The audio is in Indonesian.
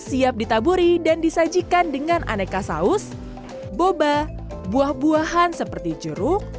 siap ditaburi dan disajikan dengan aneka saus boba buah buahan seperti jeruk